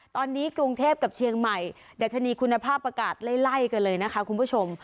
ตอนนี้กรุงเทพกับเชียงใหม่ดัชนีคุณภาพอากาศไล่กันเลยนะคะคุณผู้ชม